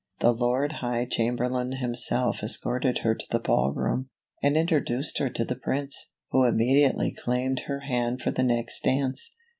The Lord High Chamberlain himseh escorted her to the ball room, and introduced her to the Prince, who immediately claimed her hand for the next dance.